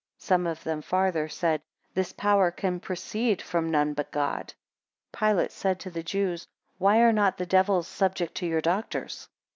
42 Some of them farther said, This power can proceed from none but God. 43 Pilate said to the Jews, Why are not the devils subject to your doctors?